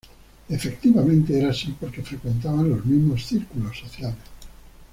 Efectivamente era así porque frecuentaban los mismos círculos sociales.